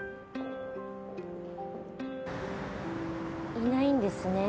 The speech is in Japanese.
いないんですね